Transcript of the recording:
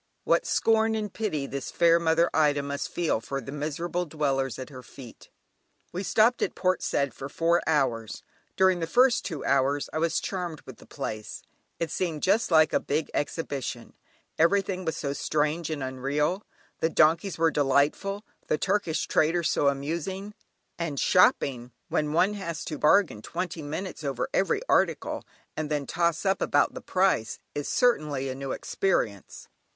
What scorn and pity this fair Mother Ida must feel for the miserable dwellers at her feet! We stopped at Port Said for four hours. During the first two hours I was charmed with the place; it seemed just like a big exhibition, everything was so strange and unreal. The donkeys were delightful, the Turkish traders so amusing, and shopping, when one has to bargain twenty minutes over every article, and then toss up about the price, is certainly a new experience.